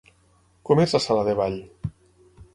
Com és la sala de ball?